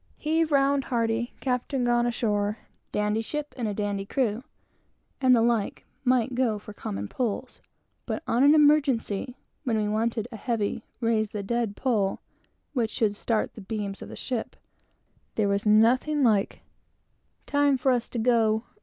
"Heave round hearty!" "Captain gone ashore!" and the like, might do for common pulls, but in an emergency, when we wanted a heavy, "raise the dead" pull, which should start the beams of the ship, there was nothing like "Time for us to go!"